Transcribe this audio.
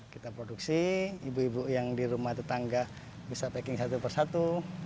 kita produksi ibu ibu yang di rumah tetangga bisa packing satu persatu